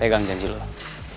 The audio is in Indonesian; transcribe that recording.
pega janji lu lah